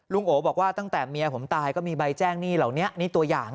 โอบอกว่าตั้งแต่เมียผมตายก็มีใบแจ้งหนี้เหล่านี้นี่ตัวอย่าง